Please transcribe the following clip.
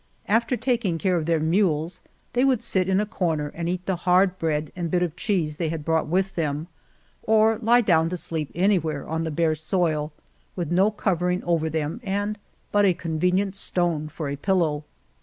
After taking care of their mules they would sit in a corner and eat the hard bread and bit of cheese they had brought with them, or lie down to sleep anywhere on the bare soil, with no covering over them and but a con venient stone for a pillow.